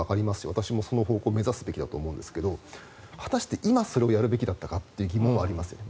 私もその方向を目指すべきだと思うんですが果たして今、それをやるべきだったかって疑問はありますよね。